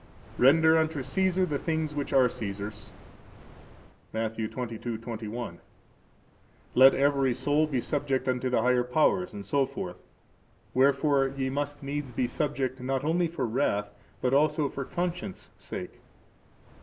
Render unto Caesar the things which are Caesar's. Matt. 22:21. Let every soul be subject unto the higher powers, etc. Wherefore ye must needs be subject, not only for wrath, but also for conscience' sake.